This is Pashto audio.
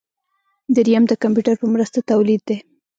دریم د کمپیوټر په مرسته تولید دی.